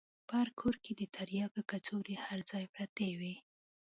په هر کور کښې د ترياکو کڅوړې هر ځاى پرتې وې.